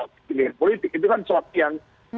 pilihan politik itu kan suatu yang